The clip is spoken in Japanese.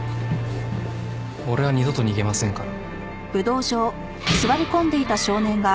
俺は二度と逃げませんから。